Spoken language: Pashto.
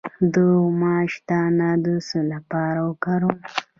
د ماش دانه د څه لپاره وکاروم؟